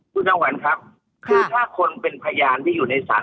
คุณจำหวันครับคือถ้าคนเป็นพยานที่อยู่ในศาล